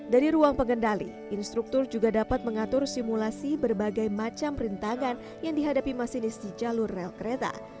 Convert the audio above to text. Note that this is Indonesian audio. dari ruang pengendali instruktur juga dapat mengatur simulasi berbagai macam rintangan yang dihadapi masinis di jalur rel kereta